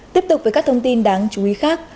tiếp tục với các thông tin đáng chú ý khác